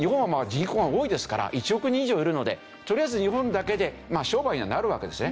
１億人以上いるのでとりあえず日本だけで商売にはなるわけですね。